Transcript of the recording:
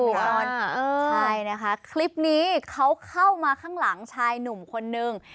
ใช่นะคะคลิปนี้เขาเข้ามาข้างหลังชายหนุ่มคนนึง